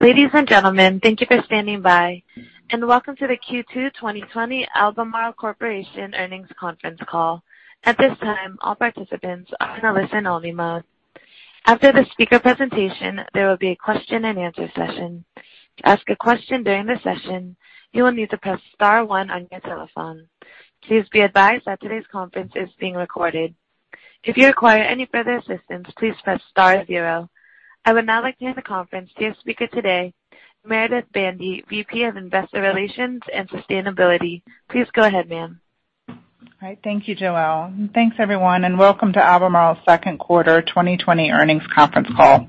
Ladies and gentlemen, thank you for standing by, and welcome to the Q2 2020 Albemarle Corporation Earnings Conference Call. At this time, all participants are in a listen-only mode. After the speaker presentation, there will be a question and answer session. To ask a question during the session, you will need to press star one on your telephone. Please be advised that today's conference is being recorded. If you require any further assistance, please press star zero. I would now like to hand the conference to your speaker today, Meredith Bandy, VP of Investor Relations and Sustainability. Please go ahead, ma'am. All right. Thank you, Joelle. Thanks everyone, and welcome to Albemarle's second quarter 2020 earnings conference call.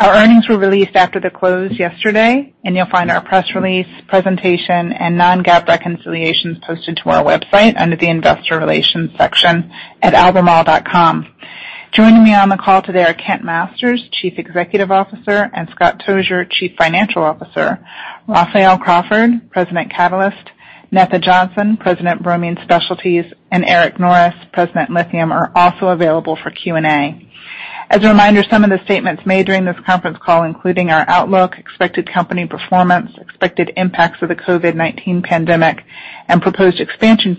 Our earnings were released after the close yesterday, and you'll find our press release presentation and non-GAAP reconciliations posted to our website under the investor relations section at albemarle.com. Joining me on the call today are Kent Masters, Chief Executive Officer, and Scott Tozier, Chief Financial Officer. Raphael Crawford, President, Catalysts, Netha Johnson, President, Bromine Specialties, and Eric Norris, President, Lithium, are also available for Q&A. As a reminder, some of the statements made during this conference call, including our outlook, expected company performance, expected impacts of the COVID-19 pandemic, and proposed expansion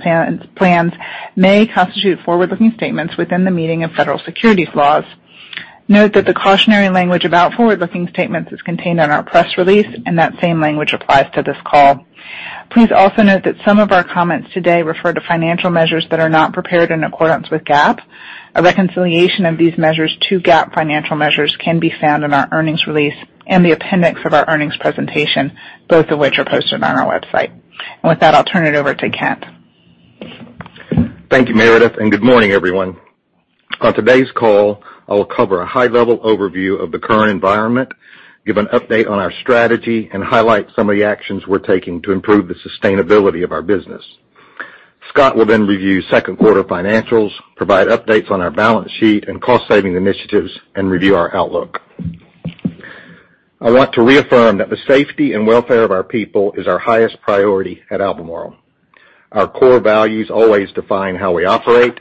plans may constitute forward-looking statements within the meaning of federal securities laws. Note that the cautionary language about forward-looking statements is contained in our press release, and that same language applies to this call. Please also note that some of our comments today refer to financial measures that are not prepared in accordance with GAAP. A reconciliation of these measures to GAAP financial measures can be found in our earnings release and the appendix of our earnings presentation, both of which are posted on our website. With that, I'll turn it over to Kent. Thank you, Meredith. Good morning, everyone. On today's call, I will cover a high-level overview of the current environment, give an update on our strategy, and highlight some of the actions we're taking to improve the sustainability of our business. Scott will then review second quarter financials, provide updates on our balance sheet and cost-saving initiatives, and review our outlook. I want to reaffirm that the safety and welfare of our people is our highest priority at Albemarle. Our core values always define how we operate.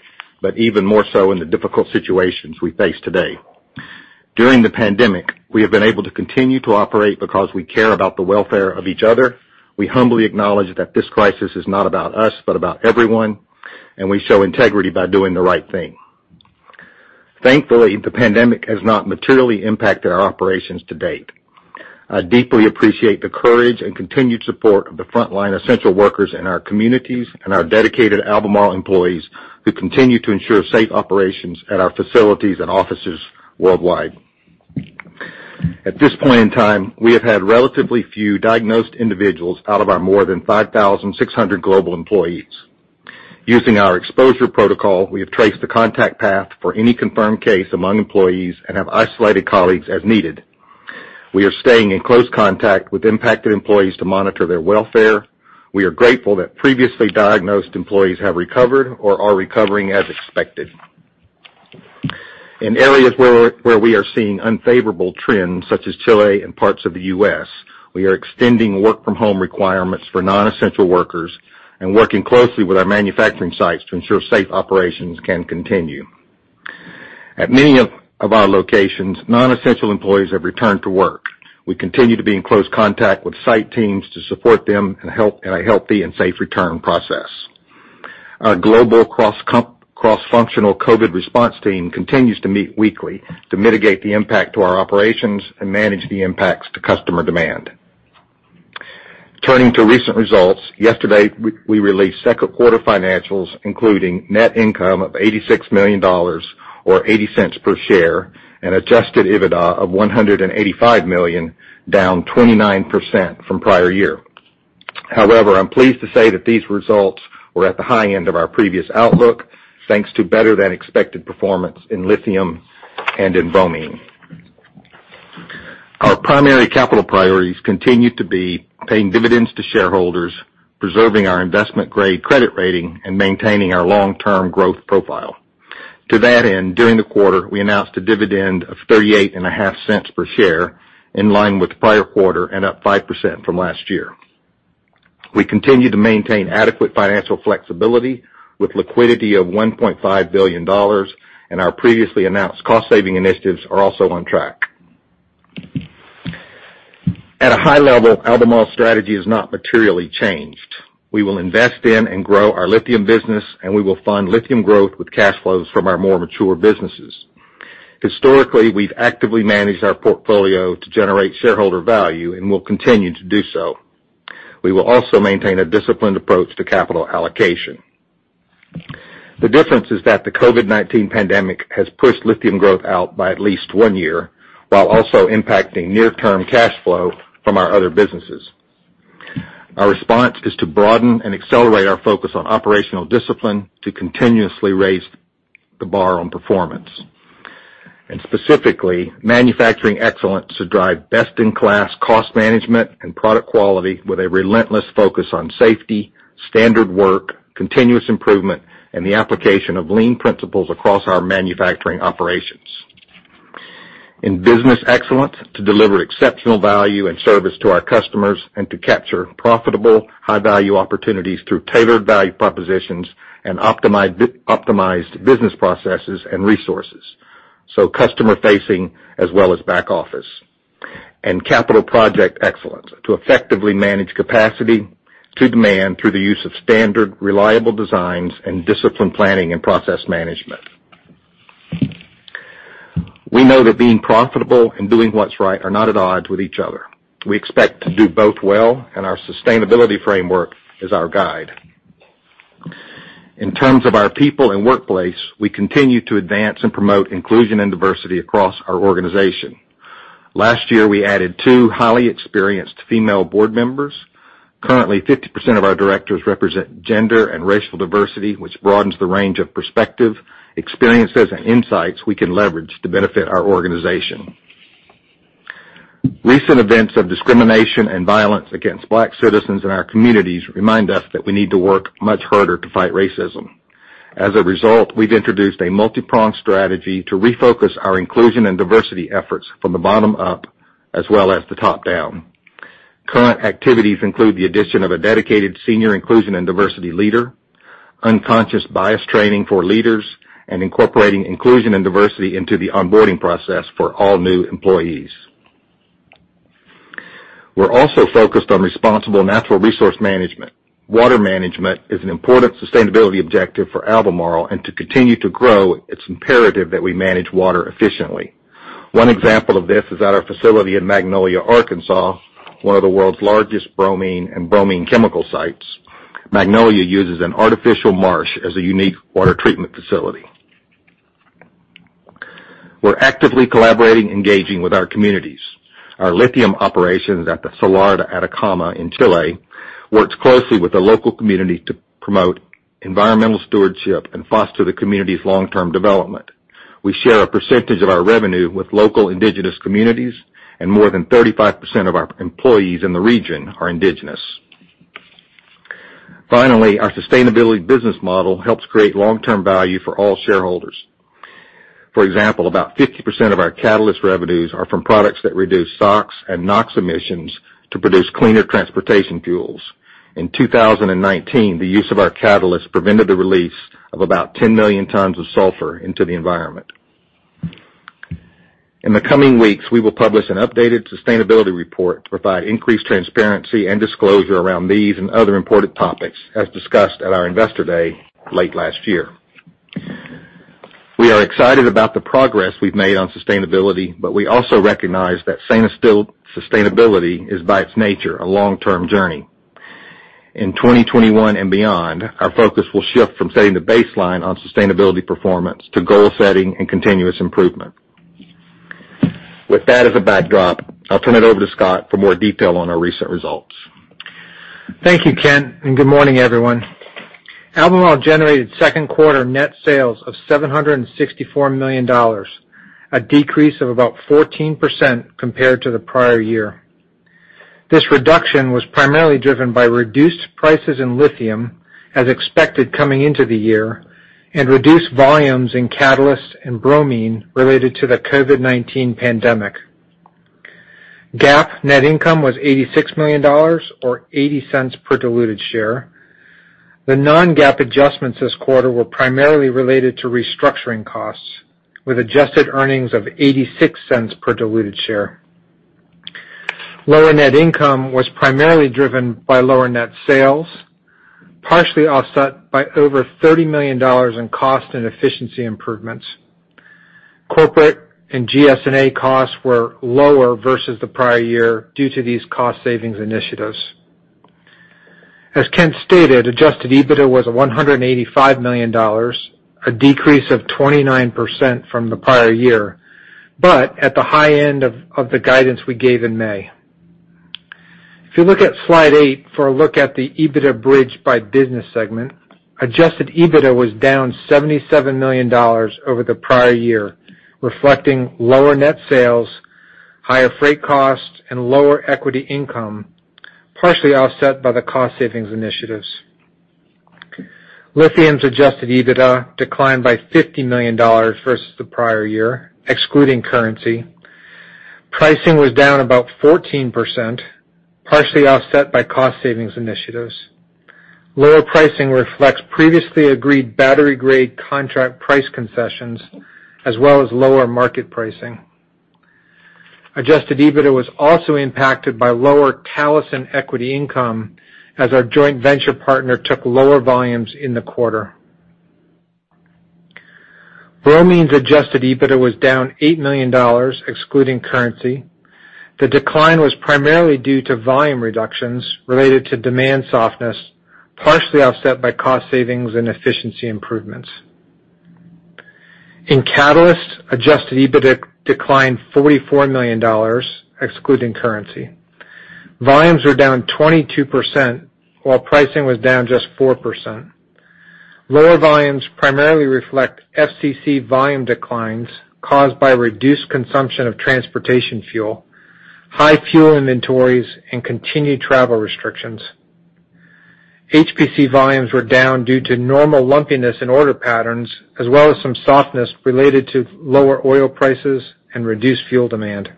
Even more so in the difficult situations we face today. During the pandemic, we have been able to continue to operate because we care about the welfare of each other. We humbly acknowledge that this crisis is not about us, but about everyone, and we show integrity by doing the right thing. Thankfully, the pandemic has not materially impacted our operations to date. I deeply appreciate the courage and continued support of the frontline essential workers in our communities and our dedicated Albemarle employees who continue to ensure safe operations at our facilities and offices worldwide. At this point in time, we have had relatively few diagnosed individuals out of our more than 5,600 global employees. Using our exposure protocol, we have traced the contact path for any confirmed case among employees and have isolated colleagues as needed. We are staying in close contact with impacted employees to monitor their welfare. We are grateful that previously diagnosed employees have recovered or are recovering as expected. In areas where we are seeing unfavorable trends, such as Chile and parts of the U.S., we are extending work from home requirements for non-essential workers and working closely with our manufacturing sites to ensure safe operations can continue. At many of our locations, non-essential employees have returned to work. We continue to be in close contact with site teams to support them in a healthy and safe return process. Our global cross-functional COVID-19 response team continues to meet weekly to mitigate the impact to our operations and manage the impacts to customer demand. Turning to recent results, yesterday, we released second quarter financials, including net income of $86 million or $0.80 per share, and adjusted EBITDA of $185 million, down 29% from prior year. I'm pleased to say that these results were at the high end of our previous outlook, thanks to better than expected performance in lithium and in bromine. Our primary capital priorities continue to be paying dividends to shareholders, preserving our investment-grade credit rating, and maintaining our long-term growth profile. To that end, during the quarter, we announced a dividend of $0.385 per share, in line with the prior quarter and up 5% from last year. We continue to maintain adequate financial flexibility with liquidity of $1.5 billion, our previously announced cost-saving initiatives are also on track. At a high level, Albemarle's strategy has not materially changed. We will invest in and grow our lithium business, we will fund lithium growth with cash flows from our more mature businesses. Historically, we've actively managed our portfolio to generate shareholder value and will continue to do so. We will also maintain a disciplined approach to capital allocation. The difference is that the COVID-19 pandemic has pushed lithium growth out by at least one year, while also impacting near-term cash flow from our other businesses. Our response is to broaden and accelerate our focus on operational discipline to continuously raise the bar on performance, and specifically manufacturing excellence to drive best-in-class cost management and product quality with a relentless focus on safety, standard work, continuous improvement, and the application of lean principles across our manufacturing operations. In business excellence, to deliver exceptional value and service to our customers and to capture profitable, high-value opportunities through tailored value propositions and optimized business processes and resources. Customer facing as well as back office. Capital project excellence to effectively manage capacity to demand through the use of standard reliable designs and disciplined planning and process management. We know that being profitable and doing what's right are not at odds with each other. We expect to do both well, and our sustainability framework is our guide. In terms of our people and workplace, we continue to advance and promote inclusion and diversity across our organization. Last year, we added two highly experienced female board members. Currently, 50% of our directors represent gender and racial diversity, which broadens the range of perspective, experiences, and insights we can leverage to benefit our organization. Recent events of discrimination and violence against Black citizens in our communities remind us that we need to work much harder to fight racism. As a result, we've introduced a multi-pronged strategy to refocus our inclusion and diversity efforts from the bottom up, as well as the top down. Current activities include the addition of a dedicated senior inclusion and diversity leader, unconscious bias training for leaders, and incorporating inclusion and diversity into the onboarding process for all new employees. We're also focused on responsible natural resource management. Water management is an important sustainability objective for Albemarle, and to continue to grow, it's imperative that we manage water efficiently. One example of this is at our facility in Magnolia, Arkansas, one of the world's largest bromine and bromine chemical sites. Magnolia uses an artificial marsh as a unique water treatment facility. We're actively collaborating, engaging with our communities. Our lithium operations at the Salar de Atacama in Chile works closely with the local community to promote environmental stewardship and foster the community's long-term development. We share a percentage of our revenue with local indigenous communities, and more than 35% of our employees in the region are indigenous. Finally, our sustainability business model helps create long-term value for all shareholders. For example, about 50% of our catalyst revenues are from products that reduce SOx and NOx emissions to produce cleaner transportation fuels. In 2019, the use of our catalysts prevented the release of about 10 million tons of sulfur into the environment. In the coming weeks, we will publish an updated sustainability report to provide increased transparency and disclosure around these and other important topics, as discussed at our investor day late last year. We are excited about the progress we've made on sustainability, but we also recognize that sustainability is, by its nature, a long-term journey. In 2021 and beyond, our focus will shift from setting the baseline on sustainability performance to goal setting and continuous improvement. With that as a backdrop, I'll turn it over to Scott for more detail on our recent results. Thank you, Kent, and good morning, everyone. Albemarle generated second quarter net sales of $764 million, a decrease of about 14% compared to the prior year. This reduction was primarily driven by reduced prices in lithium, as expected coming into the year, and reduced volumes in catalysts and bromine related to the COVID-19 pandemic. GAAP net income was $86 million, or $0.80 per diluted share. The non-GAAP adjustments this quarter were primarily related to restructuring costs, with adjusted earnings of $0.86 per diluted share. Lower net income was primarily driven by lower net sales, partially offset by over $30 million in cost and efficiency improvements. Corporate and SG&A costs were lower versus the prior year due to these cost savings initiatives. As Kent stated, adjusted EBITDA was at $185 million, a decrease of 29% from the prior year, but at the high end of the guidance we gave in May. If you look at slide eight for a look at the EBITDA bridge by business segment, adjusted EBITDA was down $77 million over the prior year, reflecting lower net sales, higher freight costs, and lower equity income, partially offset by the cost savings initiatives. Lithium's adjusted EBITDA declined by $50 million versus the prior year, excluding currency. Pricing was down about 14%, partially offset by cost savings initiatives. Lower pricing reflects previously agreed battery grade contract price concessions, as well as lower market pricing. Adjusted EBITDA was also impacted by lower Talison equity income as our joint venture partner took lower volumes in the quarter. Bromine's adjusted EBITDA was down $8 million, excluding currency. The decline was primarily due to volume reductions related to demand softness, partially offset by cost savings and efficiency improvements. In Catalysts, adjusted EBITDA declined $44 million, excluding currency. Volumes were down 22%, while pricing was down just 4%. Lower volumes primarily reflect FCC volume declines caused by reduced consumption of transportation fuel, high fuel inventories, and continued travel restrictions. HPC volumes were down due to normal lumpiness in order patterns, as well as some softness related to lower oil prices and reduced fuel demand.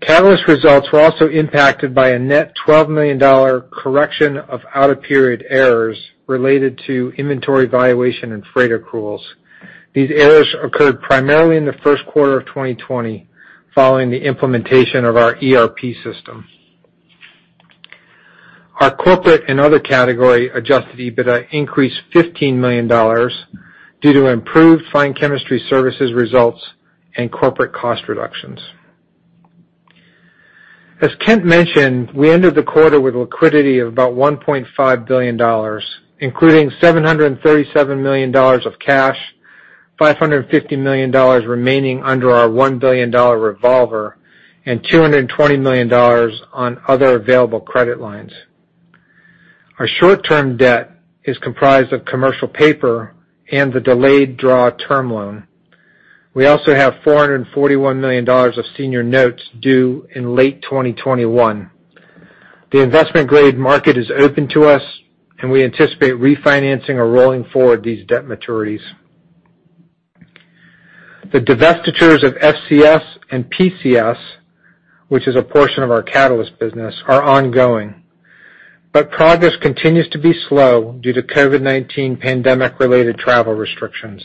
Catalyst results were also impacted by a net $12 million correction of out-of-period errors related to inventory valuation and freight accruals. These errors occurred primarily in the first quarter of 2020, following the implementation of our ERP system. Our corporate and other category adjusted EBITDA increased $15 million due to improved Fine Chemistry Services results and corporate cost reductions. As Kent mentioned, we ended the quarter with liquidity of about $1.5 billion, including $737 million of cash, $550 million remaining under our $1 billion revolver, and $220 million on other available credit lines. Our short-term debt is comprised of commercial paper and the delayed draw term loan. We also have $441 million of senior notes due in late 2021. The investment-grade market is open to us, and we anticipate refinancing or rolling forward these debt maturities. The divestitures of FCS and PCS, which is a portion of our catalyst business, are ongoing, but progress continues to be slow due to COVID-19 pandemic-related travel restrictions.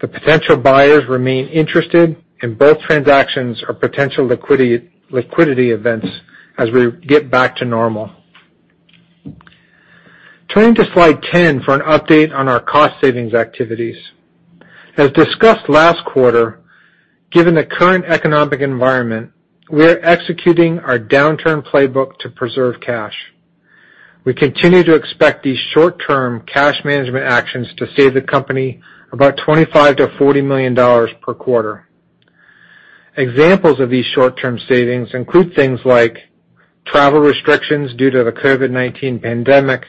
The potential buyers remain interested, and both transactions are potential liquidity events as we get back to normal. Turning to slide 10 for an update on our cost savings activities. As discussed last quarter, given the current economic environment, we are executing our downturn playbook to preserve cash. We continue to expect these short-term cash management actions to save the company about $25 million-$40 million per quarter. Examples of these short-term savings include things like travel restrictions due to the COVID-19 pandemic,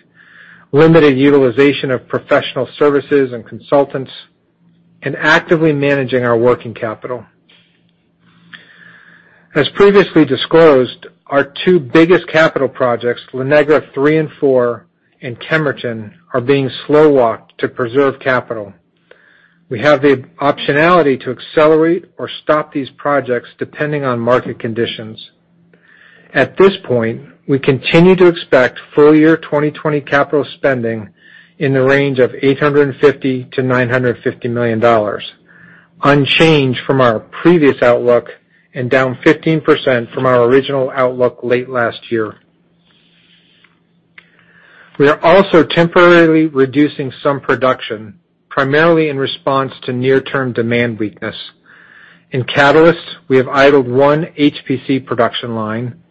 limited utilization of professional services and consultants, and actively managing our working capital. As previously disclosed, our two biggest capital projects, La Negra III and IV and Kemerton, are being slow-walked to preserve capital. We have the optionality to accelerate or stop these projects depending on market conditions. At this point, we continue to expect full-year 2020 capital spending in the range of $850 million-$950 million, unchanged from our previous outlook and down 15% from our original outlook late last year. We are also temporarily reducing some production, primarily in response to near-term demand weakness. In Catalysts, we have idled one HPC production line,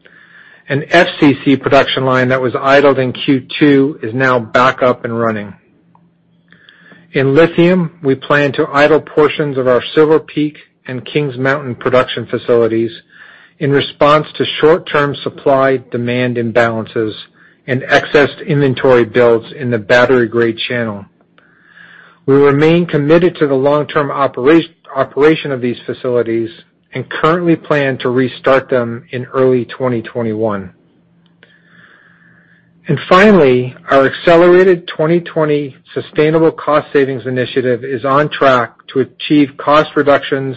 and FCC production line that was idled in Q2 is now back up and running. In lithium, we plan to idle portions of our Silver Peak and Kings Mountain production facilities in response to short-term supply-demand imbalances and excess inventory builds in the battery-grade channel. We remain committed to the long-term operation of these facilities and currently plan to restart them in early 2021. Finally, our accelerated 2020 sustainable cost savings initiative is on track to achieve cost reductions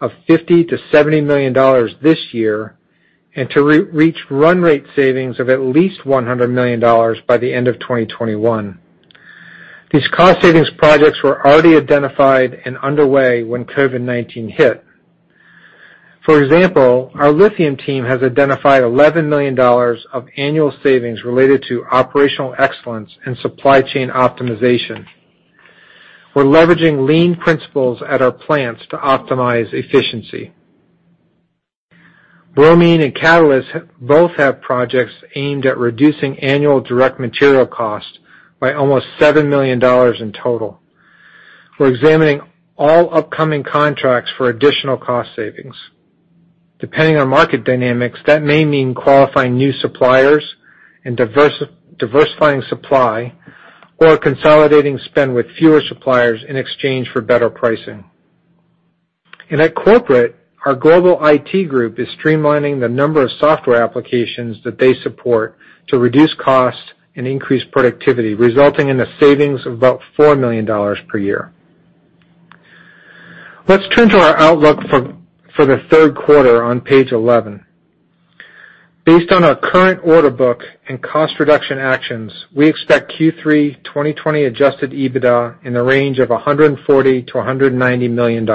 of $50 million-$70 million this year and to reach run rate savings of at least $100 million by the end of 2021. These cost savings projects were already identified and underway when COVID-19 hit. For example, our lithium team has identified $11 million of annual savings related to operational excellence and supply chain optimization. We're leveraging lean principles at our plants to optimize efficiency. Bromine and Catalysts both have projects aimed at reducing annual direct material costs by almost $7 million in total. We're examining all upcoming contracts for additional cost savings. Depending on market dynamics, that may mean qualifying new suppliers and diversifying supply or consolidating spend with fewer suppliers in exchange for better pricing. At corporate, our global IT group is streamlining the number of software applications that they support to reduce costs and increase productivity, resulting in a savings of about $4 million per year. Let's turn to our outlook for the third quarter on page 11. Based on our current order book and cost reduction actions, we expect Q3 2020 adjusted EBITDA in the range of $140 million-$190 million.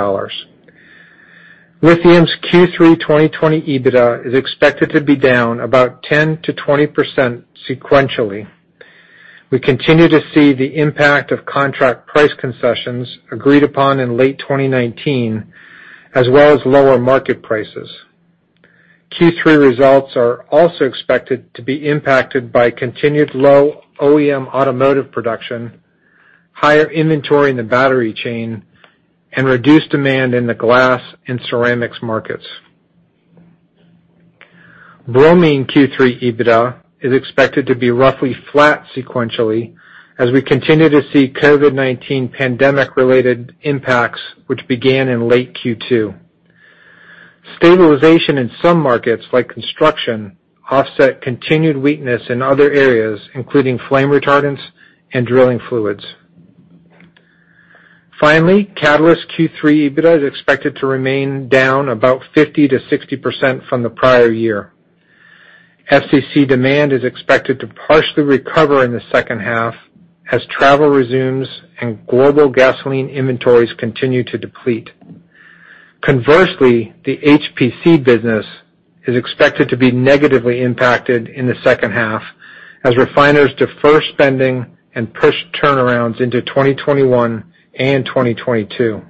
Lithium's Q3 2020 EBITDA is expected to be down about 10%-20% sequentially. We continue to see the impact of contract price concessions agreed upon in late 2019, as well as lower market prices. Q3 results are also expected to be impacted by continued low OEM automotive production, higher inventory in the battery chain, and reduced demand in the glass and ceramics markets. Bromine Q3 EBITDA is expected to be roughly flat sequentially as we continue to see COVID-19 pandemic-related impacts, which began in late Q2. Stabilization in some markets like construction offset continued weakness in other areas, including flame retardants and drilling fluids. Catalyst Q3 EBITDA is expected to remain down about 50%-60% from the prior year. FCC demand is expected to partially recover in the second half as travel resumes and global gasoline inventories continue to deplete. Conversely, the HPC business is expected to be negatively impacted in the second half as refiners defer spending and push turnarounds into 2021 and 2022.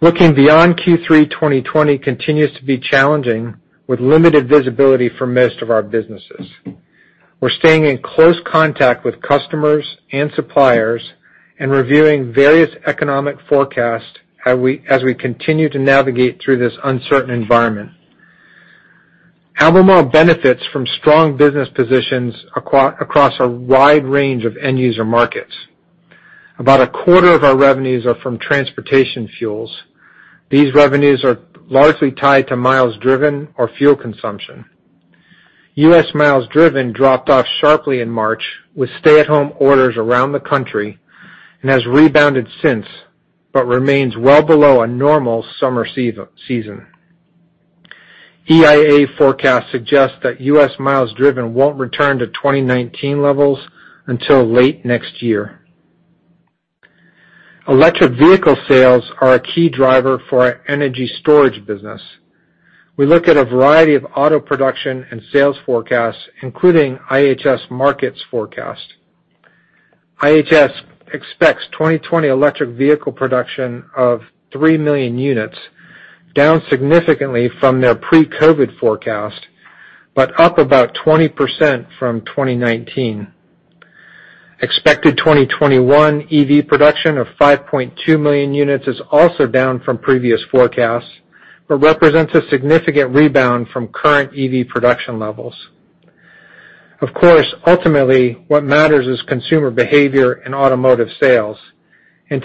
Looking beyond Q3 2020 continues to be challenging with limited visibility for most of our businesses. We're staying in close contact with customers and suppliers and reviewing various economic forecasts as we continue to navigate through this uncertain environment. Albemarle benefits from strong business positions across a wide range of end-user markets. About a quarter of our revenues are from transportation fuels. These revenues are largely tied to miles driven or fuel consumption. U.S. miles driven dropped off sharply in March with stay-at-home orders around the country, and has rebounded since, but remains well below a normal summer season. EIA forecasts suggest that U.S. miles driven won't return to 2019 levels until late next year. Electric vehicle sales are a key driver for our energy storage business. We look at a variety of auto production and sales forecasts, including IHS Markit's forecast. IHS expects 2020 electric vehicle production of 3 million units, down significantly from their pre-COVID-19 forecast, but up about 20% from 2019. Expected 2021 EV production of 5.2 million units is also down from previous forecasts, but represents a significant rebound from current EV production levels. Of course, ultimately, what matters is consumer behavior and automotive sales.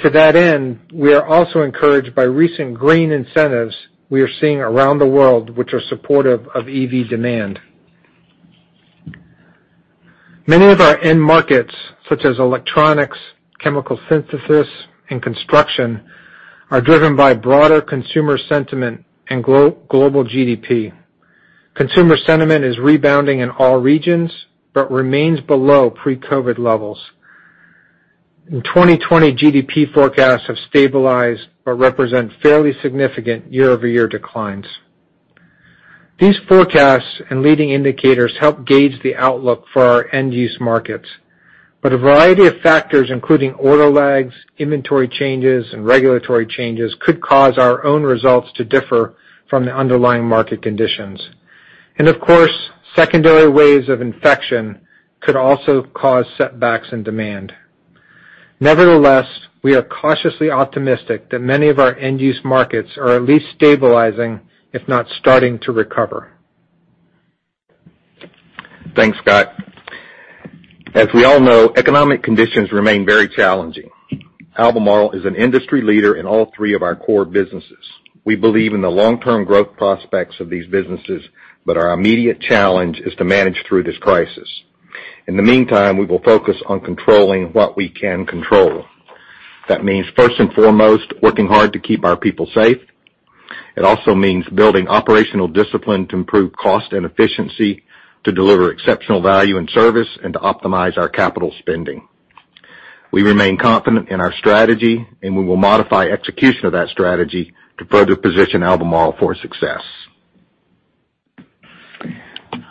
To that end, we are also encouraged by recent green incentives we are seeing around the world, which are supportive of EV demand. Many of our end markets, such as electronics, chemical synthesis, and construction, are driven by broader consumer sentiment and global GDP. Consumer sentiment is rebounding in all regions but remains below pre-COVID levels. In 2020, GDP forecasts have stabilized but represent fairly significant year-over-year declines. These forecasts and leading indicators help gauge the outlook for our end-use markets. A variety of factors, including order lags, inventory changes, and regulatory changes, could cause our own results to differ from the underlying market conditions. Of course, secondary waves of infection could also cause setbacks in demand. Nevertheless, we are cautiously optimistic that many of our end-use markets are at least stabilizing, if not starting to recover. Thanks, Scott. As we all know, economic conditions remain very challenging. Albemarle is an industry leader in all three of our core businesses. We believe in the long-term growth prospects of these businesses, but our immediate challenge is to manage through this crisis. In the meantime, we will focus on controlling what we can control. That means, first and foremost, working hard to keep our people safe. It also means building operational discipline to improve cost and efficiency, to deliver exceptional value and service, and to optimize our capital spending. We remain confident in our strategy, and we will modify execution of that strategy to further position Albemarle for success.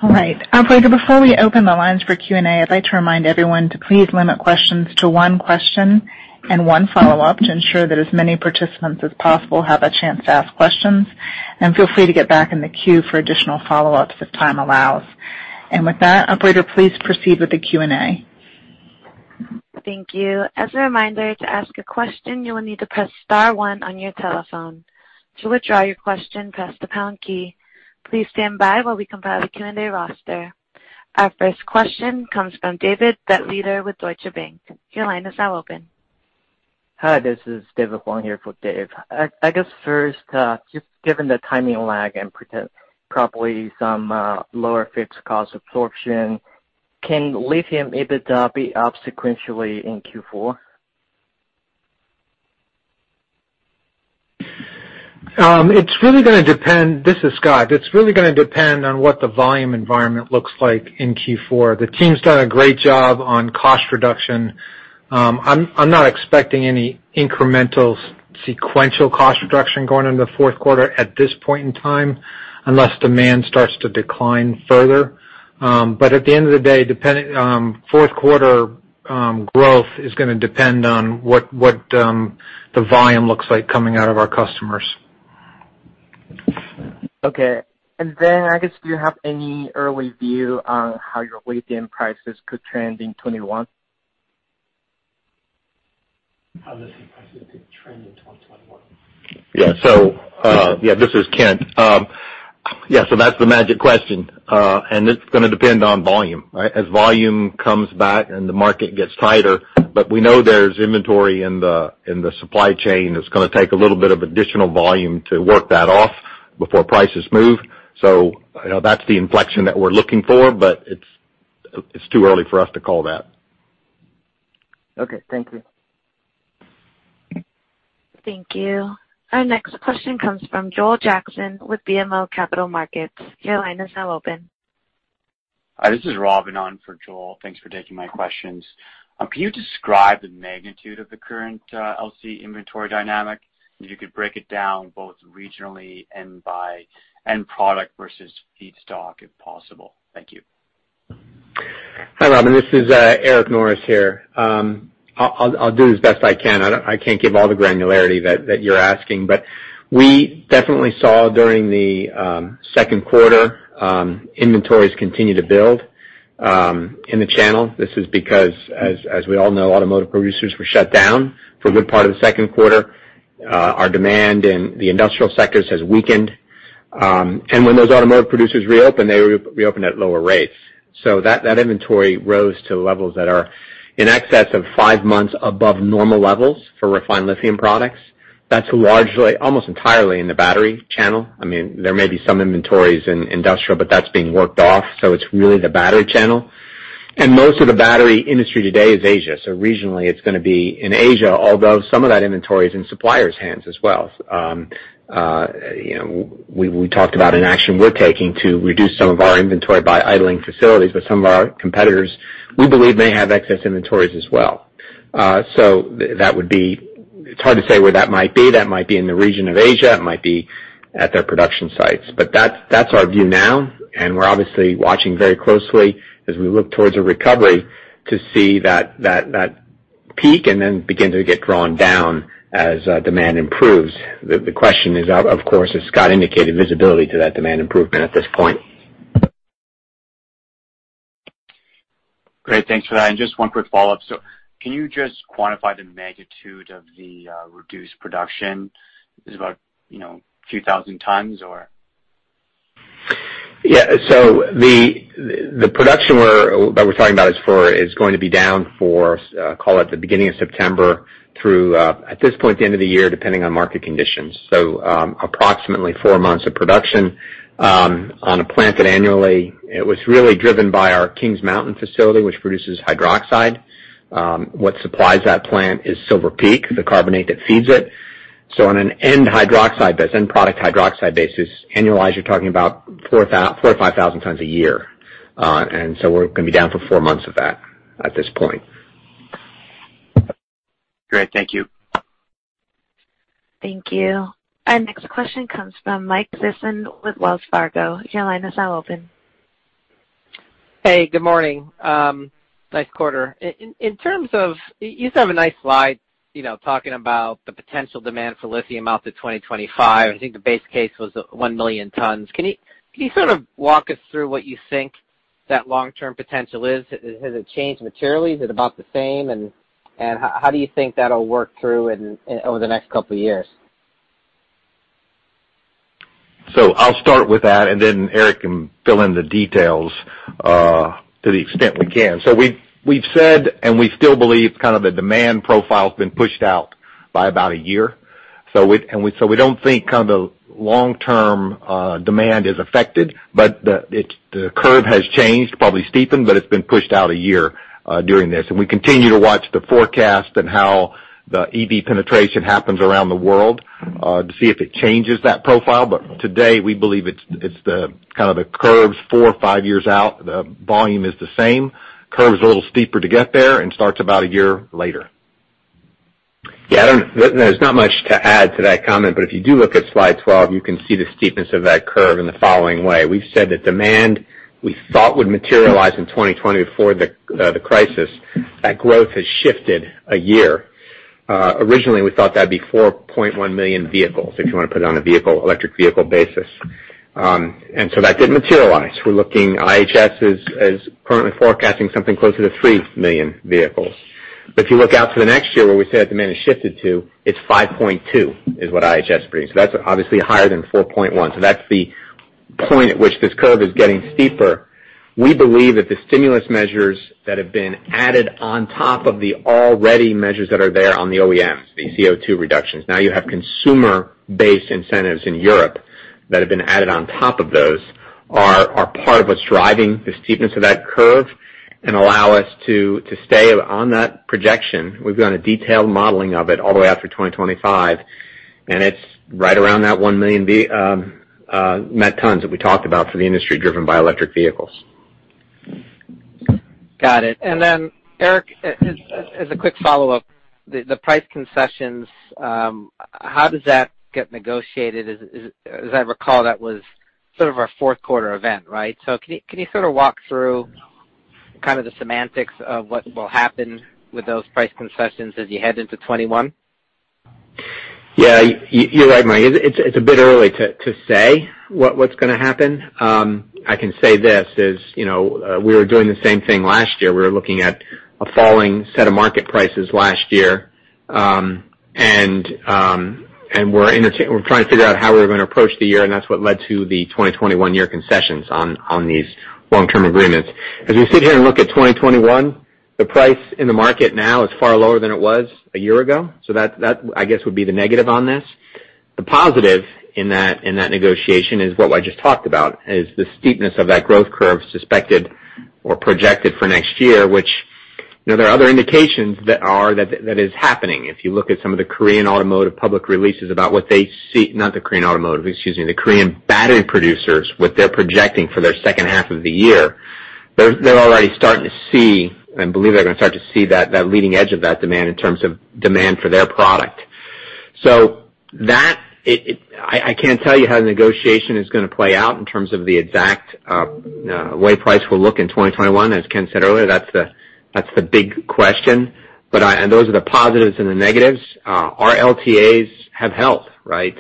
All right. Operator, before we open the lines for Q&A, I'd like to remind everyone to please limit questions to one question and one follow-up to ensure that as many participants as possible have a chance to ask questions. Feel free to get back in the queue for additional follow-ups if time allows. With that, operator, please proceed with the Q&A. Thank you. As a reminder, to ask a question, you will need to press star one on your telephone. To withdraw your question, press the pound key. Please stand by while we compile the Q&A roster. Our first question comes from David Begleiter with Deutsche Bank. Your line is now open. Hi, this is David Huang here for Dave. I guess first, just given the timing lag and probably some lower fixed cost absorption, can lithium EBITDA be up sequentially in Q4? This is Scott. It's really going to depend on what the volume environment looks like in Q4. The team's done a great job on cost reduction. I'm not expecting any incremental sequential cost reduction going into the fourth quarter at this point in time, unless demand starts to decline further. At the end of the day, fourth quarter growth is going to depend on what the volume looks like coming out of our customers. Okay. I guess, do you have any early view on how your lithium prices could trend in 2021? How lithium prices could trend in 2021. This is Kent. That's the magic question. It's going to depend on volume, right? As volume comes back and the market gets tighter, but we know there's inventory in the supply chain, it's going to take a little bit of additional volume to work that off. Before prices move. That's the inflection that we're looking for, but it's too early for us to call that. Okay. Thank you. Thank you. Our next question comes from Joel Jackson with BMO Capital Markets. Your line is now open. Hi, this is Robin on for Joel. Thanks for taking my questions. Can you describe the magnitude of the current lithium inventory dynamic? If you could break it down both regionally and by end product versus feedstock, if possible. Thank you. Hi, Robin. This is Eric Norris here. I'll do as best I can. I can't give all the granularity that you're asking, but we definitely saw during the second quarter, inventories continue to build in the channel. This is because, as we all know, automotive producers were shut down for a good part of the second quarter. Our demand in the industrial sectors has weakened. When those automotive producers reopened, they reopened at lower rates. That inventory rose to levels that are in excess of 5 months above normal levels for refined lithium products. That's largely almost entirely in the battery channel. There may be some inventories in industrial, but that's being worked off, so it's really the battery channel. Most of the battery industry today is Asia, so regionally it's going to be in Asia, although some of that inventory is in suppliers' hands as well. We talked about an action we're taking to reduce some of our inventory by idling facilities, but some of our competitors, we believe, may have excess inventories as well. It's hard to say where that might be. That might be in the region of Asia. It might be at their production sites. That's our view now, and we're obviously watching very closely as we look towards a recovery to see that peak and then begin to get drawn down as demand improves. The question is, of course, as Scott indicated, visibility to that demand improvement at this point. Great. Thanks for that. Just one quick follow-up. Can you just quantify the magnitude of the reduced production? Is it about a few thousand tons or? The production that we're talking about is going to be down for, call it the beginning of September through, at this point, the end of the year, depending on market conditions. Approximately four months of production on a plant that annually, it was really driven by our Kings Mountain facility, which produces hydroxide. What supplies that plant is Silver Peak, the carbonate that feeds it. On an end hydroxide basis, end product hydroxide basis, annualized, you're talking about 4,000 or 5,000 tons a year. We're going to be down for four months of that at this point. Great. Thank you. Thank you. Our next question comes from Michael Sison with Wells Fargo. Your line is now open. Hey, good morning. Nice quarter. In terms of, you used to have a nice slide talking about the potential demand for lithium out to 2025. I think the base case was 1 million tons. Can you sort of walk us through what you think that long-term potential is? Has it changed materially? Is it about the same, and how do you think that'll work through over the next couple of years? I'll start with that, and then Eric can fill in the details to the extent we can. We've said, and we still believe kind of the demand profile's been pushed out by about a year. We don't think kind of the long-term demand is affected, but the curve has changed, probably steepened, but it's been pushed out a year during this. We continue to watch the forecast and how the EV penetration happens around the world to see if it changes that profile. Today, we believe it's kind of the curve's four or five years out. The volume is the same. Curve's a little steeper to get there and starts about a year later. Yeah, there's not much to add to that comment, but if you do look at slide 12, you can see the steepness of that curve in the following way. We've said that demand we thought would materialize in 2020 before the crisis, that growth has shifted a year. Originally, we thought that'd be 4.1 million vehicles, if you want to put it on a electric vehicle basis. That didn't materialize. IHS is currently forecasting something closer to three million vehicles. If you look out to the next year, where we say that demand has shifted to, it's 5.2 million, is what IHS brings. That's obviously higher than 4.1 million. That's the point at which this curve is getting steeper. We believe that the stimulus measures that have been added on top of the already measures that are there on the OEMs, the CO2 reductions, now you have consumer-based incentives in Europe that have been added on top of those, are part of what's driving the steepness of that curve and allow us to stay on that projection. We've done a detailed modeling of it all the way out through 2025, and it's right around that 1 million met tons that we talked about for the industry driven by electric vehicles. Got it. Then Eric, as a quick follow-up, the price concessions, how does that get negotiated? As I recall, that was sort of our fourth quarter event, right? Can you sort of walk through kind of the semantics of what will happen with those price concessions as you head into 2021? Yeah, you're right, Mike. It's a bit early to say what's going to happen. I can say we were doing the same thing last year. We were looking at a falling set of market prices last year. We're trying to figure out how we were going to approach the year, and that's what led to the 2021 year concessions on these long-term agreements. As we sit here and look at 2021. The price in the market now is far lower than it was a year ago. That, I guess, would be the negative on this. The positive in that negotiation is what I just talked about, is the steepness of that growth curve suspected or projected for next year, which there are other indications that is happening. If you look at some of the Korean automotive public releases about what they see. Not the Korean automotive, excuse me, the Korean battery producers, what they're projecting for their second half of the year. They're already starting to see, I believe they're going to start to see that leading edge of that demand in terms of demand for their product. That, I can't tell you how the negotiation is going to play out in terms of the exact way price will look in 2021. As Kent said earlier, that's the big question. Those are the positives and the negatives. Our LTAs have helped, right?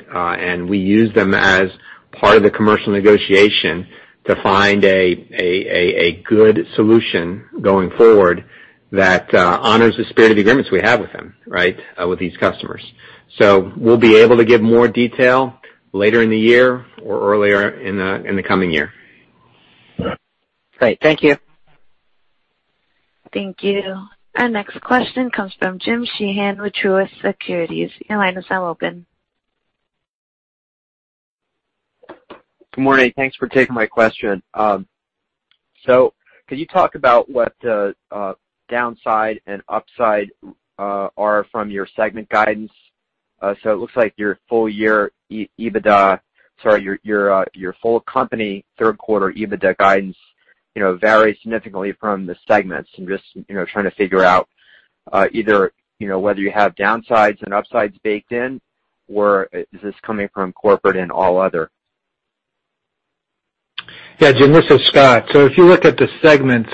We use them as part of the commercial negotiation to find a good solution going forward that honors the spirit of the agreements we have with them, with these customers. We'll be able to give more detail later in the year or earlier in the coming year. Great. Thank you. Thank you. Our next question comes from Jim Sheehan with Truist Securities. Your line is now open. Good morning. Thanks for taking my question. Can you talk about what the downside and upside are from your segment guidance? It looks like your full year EBITDA, sorry, your full company third quarter EBITDA guidance varies significantly from the segments. I'm just trying to figure out either whether you have downsides and upsides baked in, or is this coming from corporate and all other? Yeah, Jim, this is Scott. If you look at the segments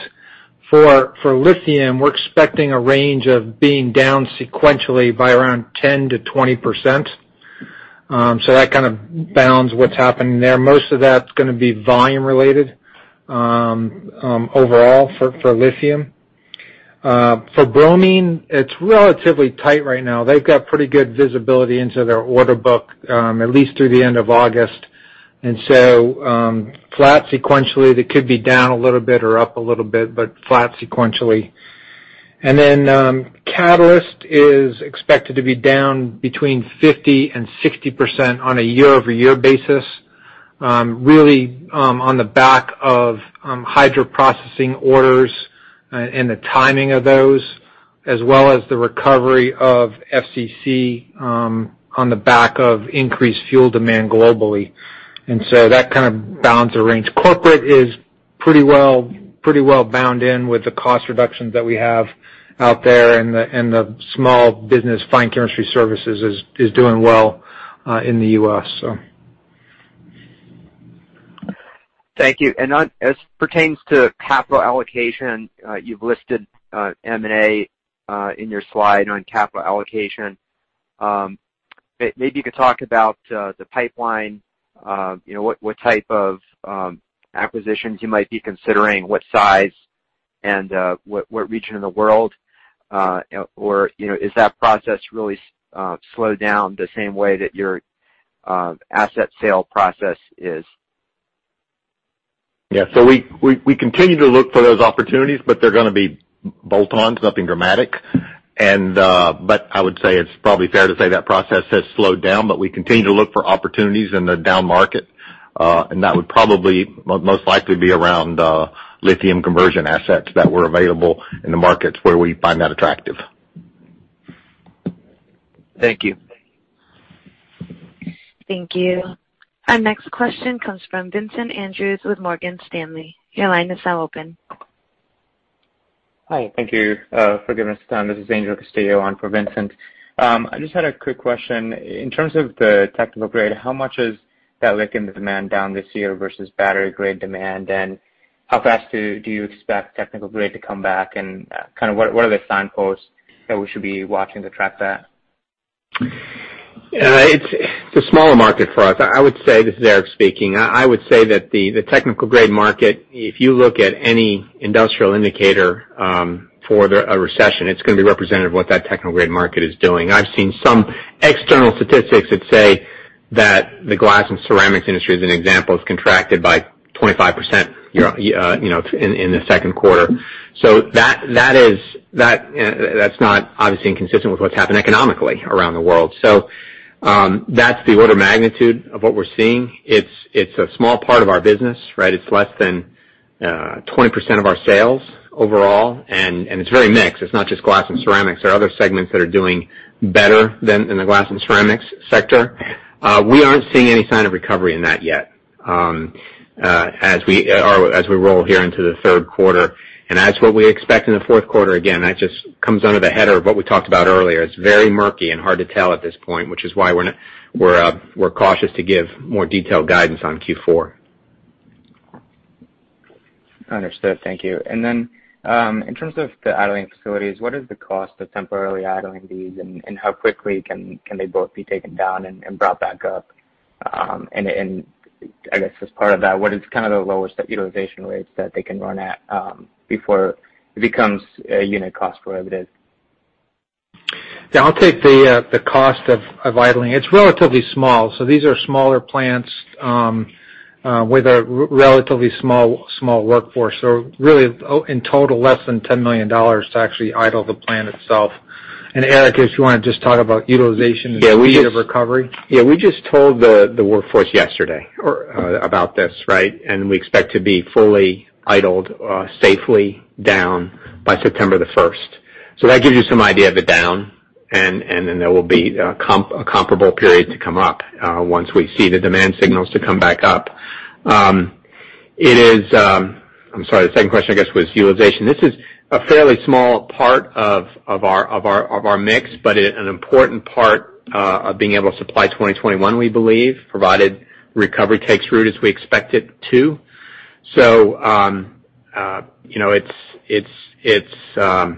for lithium, we're expecting a range of being down sequentially by around 10%-20%. That kind of bounds what's happening there. Most of that's going to be volume related overall for lithium. For bromine, it's relatively tight right now. They've got pretty good visibility into their order book, at least through the end of August. Flat sequentially. They could be down a little bit or up a little bit, but flat sequentially. Catalyst is expected to be down between 50% and 60% on a year-over-year basis. Really on the back of hydroprocessing orders and the timing of those, as well as the recovery of FCC on the back of increased fuel demand globally. That kind of bounds the range. Corporate is pretty well bound in with the cost reductions that we have out there and the small business Fine Chemistry Services is doing well in the U.S. Thank you. As pertains to capital allocation, you've listed M&A in your slide on capital allocation. Maybe you could talk about the pipeline, what type of acquisitions you might be considering, what size and what region in the world. Is that process really slowed down the same way that your asset sale process is? Yeah. We continue to look for those opportunities, but they're going to be bolt-ons, nothing dramatic. I would say it's probably fair to say that process has slowed down, but we continue to look for opportunities in the down market. That would probably most likely be around lithium conversion assets that were available in the markets where we find that attractive. Thank you. Thank you. Our next question comes from Vincent Andrews with Morgan Stanley. Your line is now open. Hi. Thank you for giving us time. This is Angel Castillo on for Vincent. I just had a quick question. In terms of the technical grade, how much is that lithium demand down this year versus battery-grade demand? How fast do you expect technical grade to come back? What are the signposts that we should be watching to track that? It's a smaller market for us. This is Eric speaking. I would say that the technical grade market, if you look at any industrial indicator for a recession, it's going to be representative of what that technical grade market is doing. I've seen some external statistics that say that the glass and ceramics industry, as an example, has contracted by 25% in the second quarter. That's not obviously inconsistent with what's happened economically around the world. That's the order of magnitude of what we're seeing. It's a small part of our business, right? It's less than 20% of our sales overall, and it's very mixed. It's not just glass and ceramics. There are other segments that are doing better than the glass and ceramics sector. We aren't seeing any sign of recovery in that yet as we roll here into the third quarter. As what we expect in the fourth quarter, again, that just comes under the header of what we talked about earlier. It's very murky and hard to tell at this point, which is why we're cautious to give more detailed guidance on Q4. Understood. Thank you. In terms of the idling facilities, what is the cost of temporarily idling these, and how quickly can they both be taken down and brought back up? I guess as part of that, what is kind of the lowest utilization rates that they can run at before it becomes unit cost prohibitive? Yeah, I'll take the cost of idling. It's relatively small. These are smaller plants with a relatively small workforce. Really, in total less than $10 million to actually idle the plant itself. Eric, if you want to just talk about utilization... Yeah. ...and rate of recovery. We just told the workforce yesterday about this, right? We expect to be fully idled safely down by September the 1st. That gives you some idea of it down, there will be a comparable period to come up once we see the demand signals to come back up. I'm sorry, the second question, I guess, was utilization. This is a fairly small part of our mix, an important part of being able to supply 2021, we believe, provided recovery takes root as we expect it to. It's, I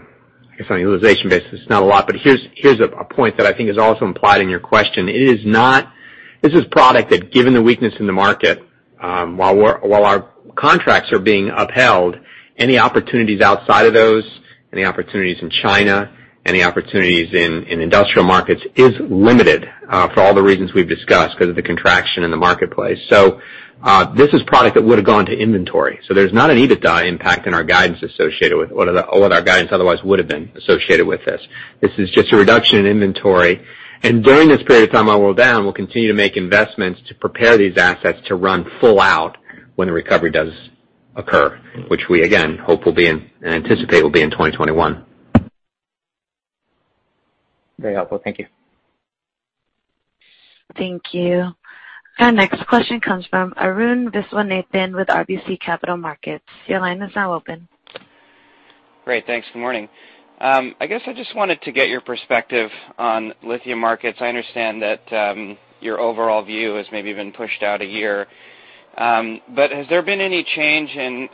guess, on an utilization basis, it's not a lot. Here's a point that I think is also implied in your question. This is product that given the weakness in the market, while our contracts are being upheld, any opportunities outside of those, any opportunities in China, any opportunities in industrial markets, is limited for all the reasons we've discussed, because of the contraction in the marketplace. This is product that would've gone to inventory. There's not an EBITDA impact in our guidance associated with what our guidance otherwise would've been associated with this. This is just a reduction in inventory. During this period of time while we're down, we'll continue to make investments to prepare these assets to run full out when the recovery does occur, which we, again, hope will be and anticipate will be in 2021. Very helpful. Thank you. Thank you. Our next question comes from Arun Viswanathan with RBC Capital Markets. Your line is now open. Great. Thanks. Good morning. I just wanted to get your perspective on lithium markets. I understand that your overall view has maybe been pushed out a year. Has there been any change in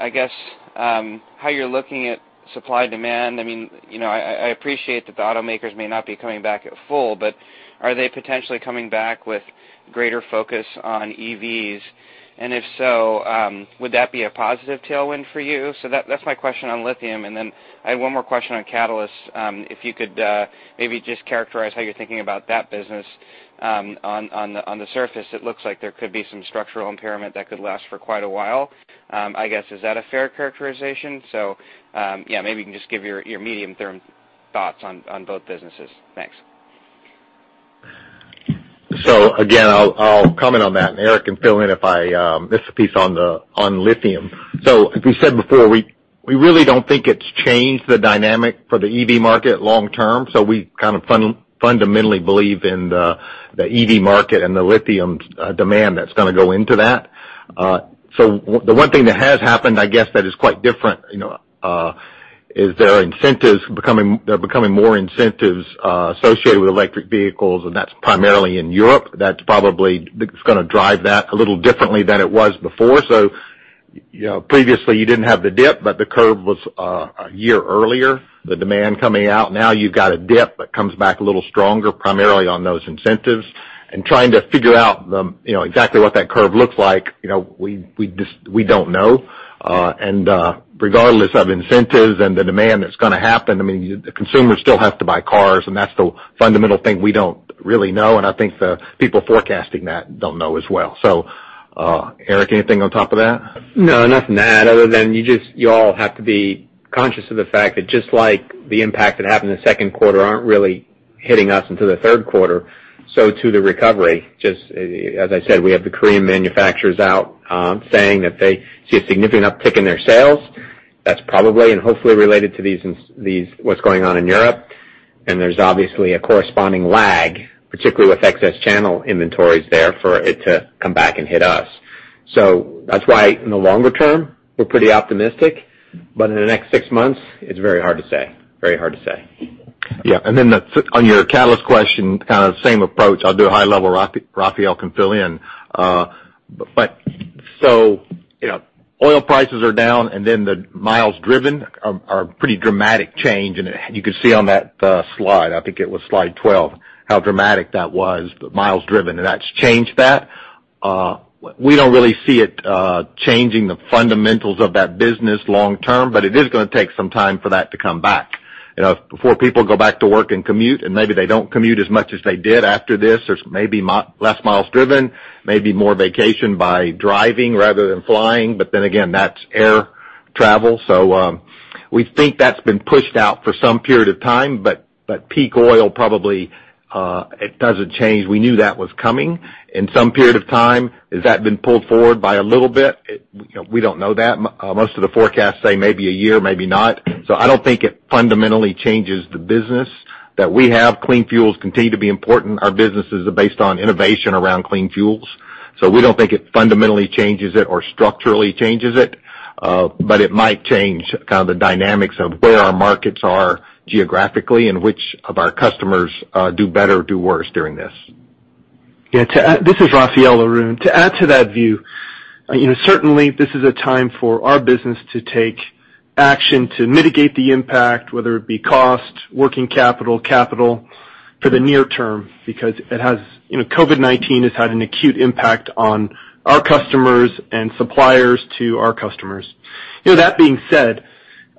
how you're looking at supply-demand? I appreciate that the automakers may not be coming back at full, are they potentially coming back with greater focus on EVs? If so, would that be a positive tailwind for you? That's my question on lithium, and then I had one more question on catalysts. If you could maybe just characterize how you're thinking about that business. On the surface, it looks like there could be some structural impairment that could last for quite a while. Is that a fair characterization? Maybe you can just give your medium-term thoughts on both businesses. Thanks. Again, I'll comment on that and Eric can fill in if I miss a piece on lithium. Like we said before, we really don't think it's changed the dynamic for the EV market long term. We kind of fundamentally believe in the EV market and the lithium demand that's going to go into that. The one thing that has happened, I guess, that is quite different is there are becoming more incentives associated with electric vehicles, and that's primarily in Europe. That's probably going to drive that a little differently than it was before. Previously you didn't have the dip, but the curve was a year earlier, the demand coming out. Now you've got a dip, but comes back a little stronger primarily on those incentives, and trying to figure out exactly what that curve looks like, we don't know. Regardless of incentives and the demand that's going to happen, the consumers still have to buy cars, and that's the fundamental thing we don't really know, and I think the people forecasting that don't know as well. Eric, anything on top of that? No, nothing to add other than you all have to be conscious of the fact that just like the impact that happened in the second quarter aren't really hitting us until the third quarter, so too the recovery. Just as I said, we have the Korean manufacturers out saying that they see a significant uptick in their sales. That's probably and hopefully related to what's going on in Europe. There's obviously a corresponding lag, particularly with excess channel inventories there, for it to come back and hit us. That's why in the longer term, we're pretty optimistic. In the next six months, it's very hard to say. Yeah. On your catalyst question, kind of same approach. I'll do a high level, Raphael can fill in. Oil prices are down, the miles driven are a pretty dramatic change, you could see on that slide, I think it was slide 12, how dramatic that was, the miles driven, that's changed that. We don't really see it changing the fundamentals of that business long term, it is going to take some time for that to come back. Before people go back to work and commute, maybe they don't commute as much as they did after this. There's maybe less miles driven, maybe more vacation by driving rather than flying, that's air travel. We think that's been pushed out for some period of time, peak oil probably it doesn't change. We knew that was coming. In some period of time, has that been pulled forward by a little bit? We don't know that. Most of the forecasts say maybe a year, maybe not. I don't think it fundamentally changes the business that we have. Clean fuels continue to be important. Our businesses are based on innovation around clean fuels. We don't think it fundamentally changes it or structurally changes it. It might change kind of the dynamics of where our markets are geographically and which of our customers do better or do worse during this. Yeah. This is Raphael, Arun. To add to that view, certainly this is a time for our business to take action to mitigate the impact, whether it be cost, working capital for the near term, because COVID-19 has had an acute impact on our customers and suppliers to our customers. That being said,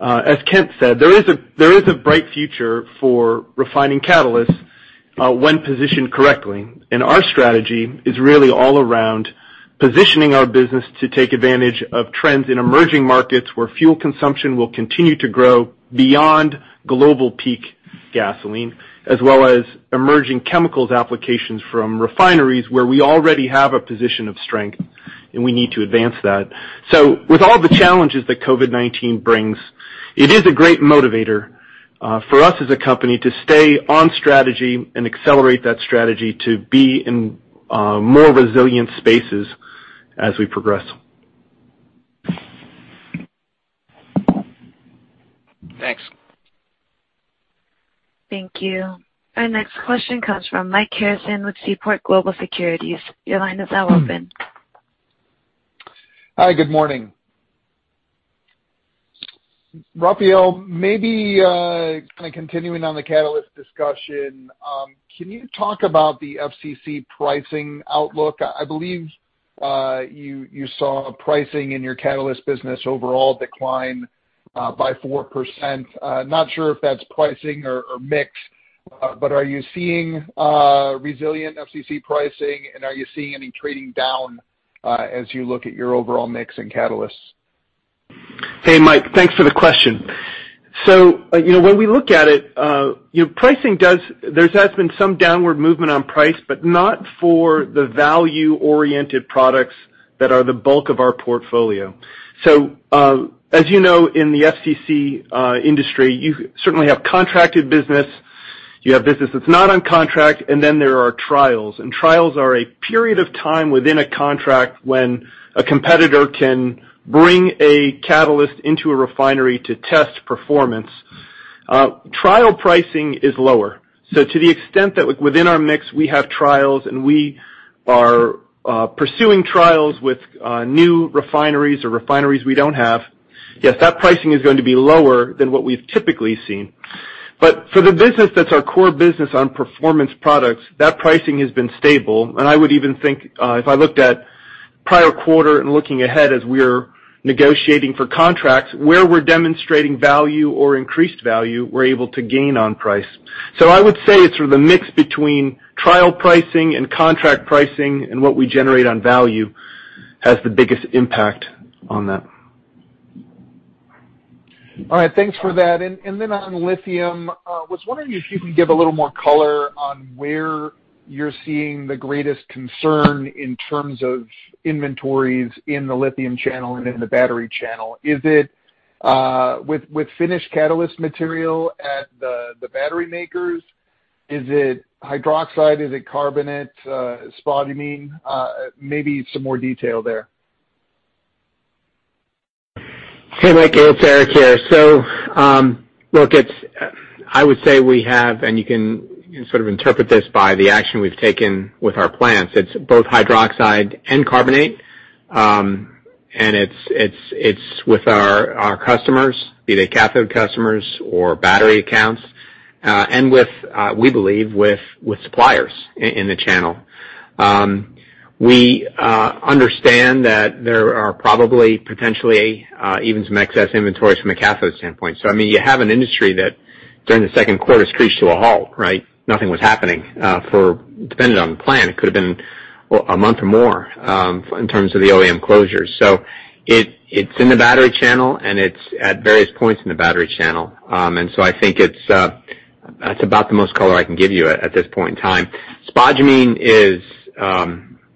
as Kent said, there is a bright future for refining catalysts when positioned correctly. Our strategy is really all around positioning our business to take advantage of trends in emerging markets where fuel consumption will continue to grow beyond global peak gasoline, as well as emerging chemicals applications from refineries where we already have a position of strength, and we need to advance that. With all the challenges that COVID-19 brings, it is a great motivator for us as a company to stay on strategy and accelerate that strategy to be in more resilient spaces as we progress. Thanks. Thank you. Our next question comes from Mike Harrison with Seaport Global Securities. Your line is now open. Hi, good morning. Raphael, maybe continuing on the catalyst discussion. Can you talk about the FCC pricing outlook? I believe you saw pricing in your catalyst business overall decline by 4%. Not sure if that's pricing or mix, but are you seeing resilient FCC pricing, and are you seeing any trading down as you look at your overall mix in catalysts? Hey, Mike. Thanks for the question. When we look at it, there has been some downward movement on price, but not for the value-oriented products that are the bulk of our portfolio. As you know, in the FCC industry, you certainly have contracted business. You have business that's not on contract, and then there are trials. Trials are a period of time within a contract when a competitor can bring a catalyst into a refinery to test performance. Trial pricing is lower. To the extent that within our mix, we have trials, and we are pursuing trials with new refineries or refineries we don't have, yes, that pricing is going to be lower than what we've typically seen. For the business that's our core business on performance products, that pricing has been stable. I would even think if I looked at prior quarter and looking ahead as we're negotiating for contracts where we're demonstrating value or increased value, we're able to gain on price. I would say it's the mix between trial pricing and contract pricing, and what we generate on value has the biggest impact on that. All right. Thanks for that. On lithium, I was wondering if you can give a little more color on where you're seeing the greatest concern in terms of inventories in the lithium channel and in the battery channel. Is it with finished catalyst material at the battery makers? Is it hydroxide? Is it carbonate? spodumene? Maybe some more detail there. Hey, Mike. It's Eric here. Look, I would say we have, and you can sort of interpret this by the action we've taken with our plants. It's both hydroxide and carbonate. It's with our customers, be they cathode customers or battery accounts. We believe with suppliers in the channel. We understand that there are probably potentially even some excess inventories from a cathode standpoint. You have an industry that during the second quarter screeched to a halt, right? Nothing was happening. Depending on the plant, it could have been a month or more in terms of the OEM closures. It's in the battery channel, and it's at various points in the battery channel. I think that's about the most color I can give you at this point in time.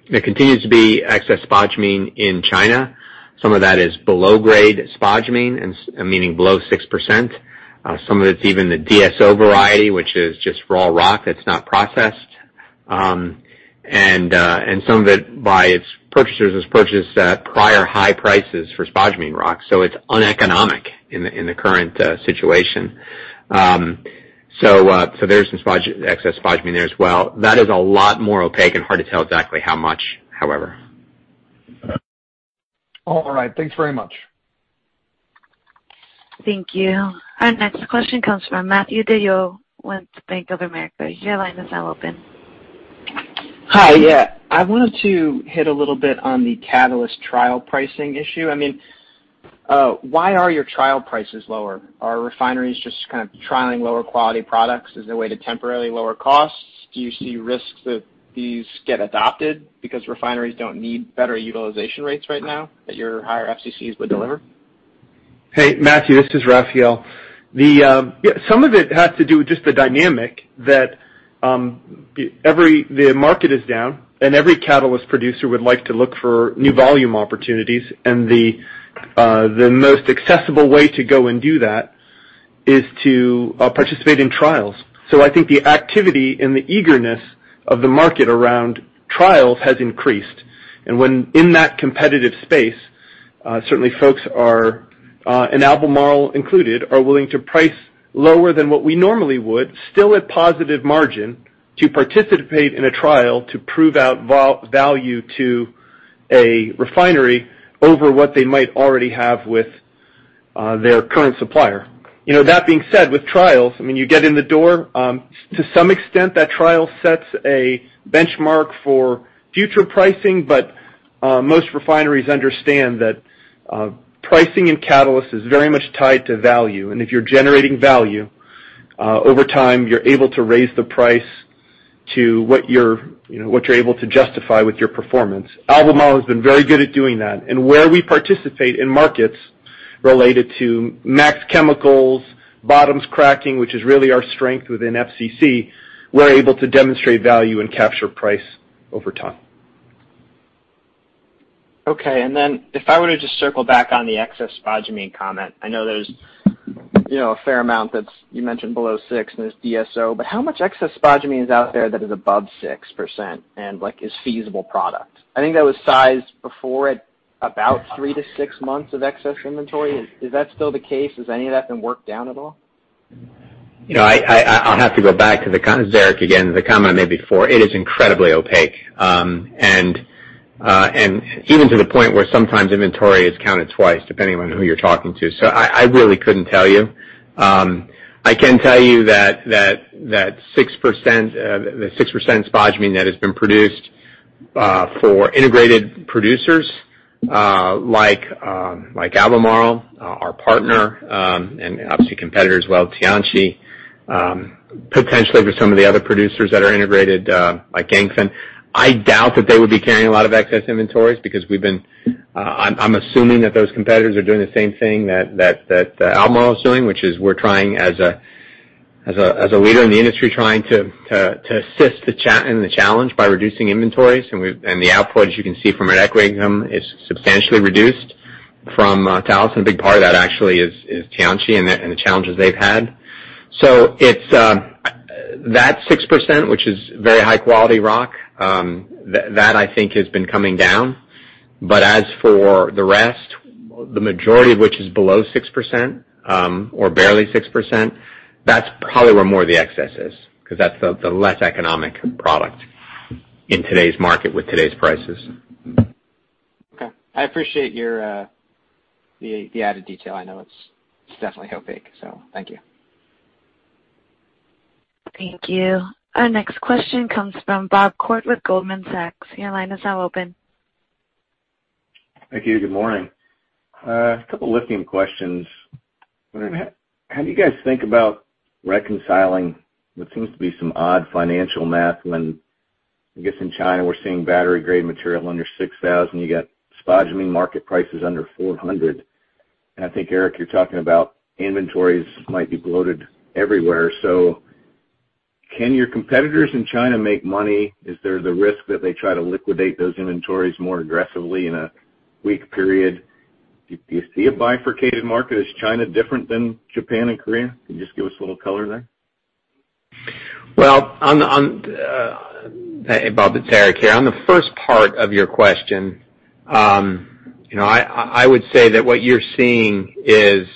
There continues to be excess spodumene in China. Some of that is below-grade spodumene, meaning below 6%. Some of it's even the DSO variety, which is just raw rock that's not processed. Some of it by its purchasers was purchased at prior high prices for spodumene rock, so it's uneconomic in the current situation. There's some excess spodumene there as well. That is a lot more opaque and hard to tell exactly how much, however. All right. Thanks very much. Thank you. Our next question comes from Matthew DeYoe with Bank of America. Hi. I wanted to hit a little bit on the catalyst trial pricing issue. Why are your trial prices lower? Are refineries just kind of trialing lower quality products as a way to temporarily lower costs? Do you see risks that these get adopted because refineries don't need better utilization rates right now that your higher FCCs would deliver? Hey, Matthew, this is Raphael. Some of it has to do with just the dynamic that the market is down, and every catalyst producer would like to look for new volume opportunities. The most accessible way to go and do that is to participate in trials. I think the activity and the eagerness of the market around trials has increased. When in that competitive space, certainly folks are, and Albemarle included, are willing to price lower than what we normally would, still at positive margin to participate in a trial to prove out value to a refinery over what they might already have with their current supplier. That being said, with trials, you get in the door. To some extent, that trial sets a benchmark for future pricing, most refineries understand that pricing and catalyst is very much tied to value. If you're generating value, over time, you're able to raise the price to what you're able to justify with your performance. Albemarle has been very good at doing that. Where we participate in markets related to max chemicals, bottoms cracking, which is really our strength within FCC, we're able to demonstrate value and capture price over time. Okay. If I were to just circle back on the excess spodumene comment, I know there's a fair amount that you mentioned below six and there's DSO. How much excess spodumene is out there that is above 6% and is feasible product? I think that was sized before at about three to six months of excess inventory. Is that still the case? Has any of that been worked down at all? I'll have to go back, this is Eric again, to the comment I made before. It is incredibly opaque. Even to the point where sometimes inventory is counted twice, depending on who you're talking to. I really couldn't tell you. I can tell you that the 6% spodumene that has been produced for integrated producers like Albemarle, our partner, and obviously competitor as well, Tianqi, potentially for some of the other producers that are integrated, like Ganfeng, I doubt that they would be carrying a lot of excess inventories because I'm assuming that those competitors are doing the same thing that Albemarle is doing, which is we're trying, as a leader in the industry, trying to assist in the challenge by reducing inventories. The output, as you can see from our net equity income, is substantially reduced from Talison. A big part of that actually is Tianqi and the challenges they've had. That 6%, which is very high-quality rock, that I think has been coming down. As for the rest, the majority of which is below 6% or barely 6%, that's probably where more of the excess is, because that's the less economic product in today's market with today's prices. Okay. I appreciate the added detail. I know it's definitely opaque, so thank you. Thank you. Our next question comes from Bob Koort with Goldman Sachs. Your line is now open. Thank you. Good morning. A couple lithium questions. How do you guys think about reconciling what seems to be some odd financial math when, I guess in China, we're seeing battery-grade material under $6,000, you got spodumene market prices under $400. I think, Eric, you're talking about inventories might be bloated everywhere. Can your competitors in China make money? Is there the risk that they try to liquidate those inventories more aggressively in a weak period? Do you see a bifurcated market? Is China different than Japan and Korea? Can you just give us a little color there? Well, Bob, it's Eric here. On the first part of your question, I would say that what you're seeing is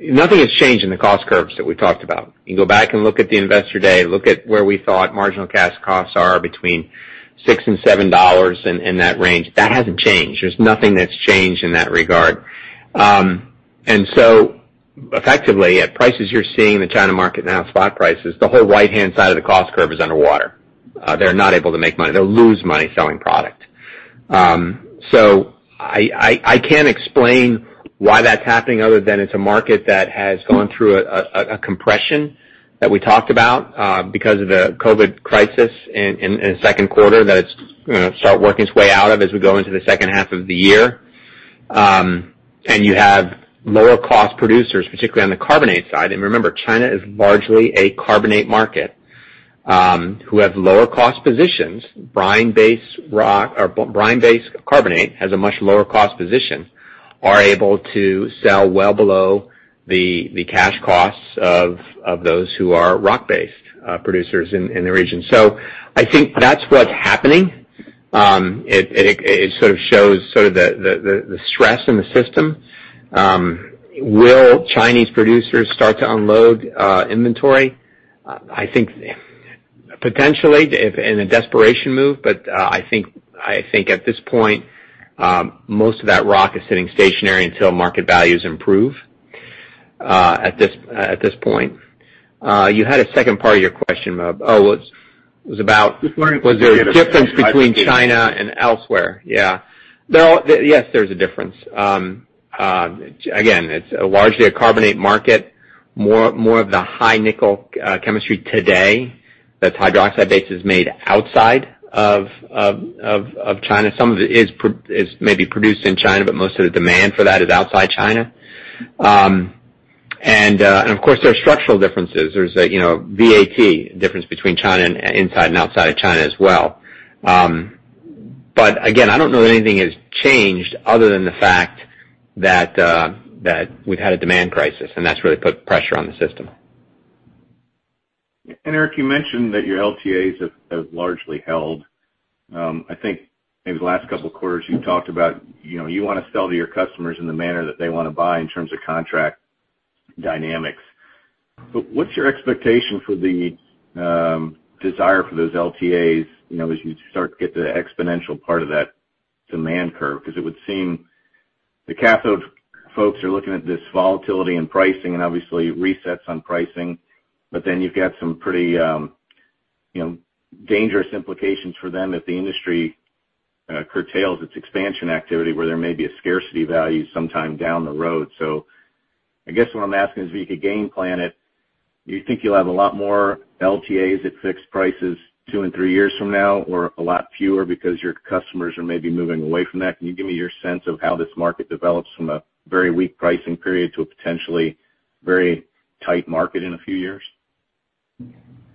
nothing has changed in the cost curves that we talked about. You can go back and look at the Investor Day, look at where we thought marginal cash costs are between $6-$7, in that range. That hasn't changed. There's nothing that's changed in that regard. Effectively, at prices you're seeing in the China market now, spot prices, the whole right-hand side of the cost curve is underwater. They're not able to make money. They'll lose money selling product. I can't explain why that's happening other than it's a market that has gone through a compression that we talked about because of the COVID-19 crisis in the second quarter that it's going to start working its way out of as we go into the second half of the year. You have lower cost producers, particularly on the carbonate side, and remember, China is largely a carbonate market, who have lower cost positions. Brine-based carbonate has a much lower cost position, are able to sell well below the cash costs of those who are rock-based producers in the region. I think that's what's happening. It sort of shows the stress in the system. Will Chinese producers start to unload inventory? I think potentially in a desperation move, but I think at this point, most of that rock is sitting stationary until market values improve at this point. You had a second part of your question, Bob. Just wondering if you could give us- Was there a difference between China and elsewhere. Yeah. Yes, there's a difference. It's largely a carbonate market. More of the high nickel chemistry today that's hydroxide-based is made outside of China. Some of it is maybe produced in China, but most of the demand for that is outside China. Of course, there are structural differences. There's VAT difference between China and inside and outside of China as well. Again, I don't know that anything has changed other than the fact that we've had a demand crisis, and that's really put pressure on the system. Eric, you mentioned that your LTAs have largely held. I think maybe the last couple of quarters you've talked about you want to sell to your customers in the manner that they want to buy in terms of contract dynamics. What's your expectation for the desire for those LTAs as you start to get to the exponential part of that demand curve? It would seem the cathode folks are looking at this volatility in pricing and obviously resets on pricing, but then you've got some pretty dangerous implications for them if the industry curtails its expansion activity, where there may be a scarcity value sometime down the road. I guess what I'm asking is, if you could game plan it, do you think you'll have a lot more LTAs at fixed prices two and three years from now, or a lot fewer because your customers are maybe moving away from that? Can you give me your sense of how this market develops from a very weak pricing period to a potentially very tight market in a few years?